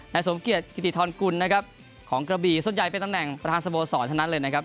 สมเกียจกิติธรกุลนะครับของกระบีส่วนใหญ่เป็นตำแหน่งประธานสโมสรเท่านั้นเลยนะครับ